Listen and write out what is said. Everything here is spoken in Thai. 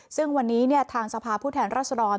ซึ่งวันนี้ทางสภาพผู้แทนรัศดร